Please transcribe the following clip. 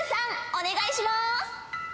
お願いします。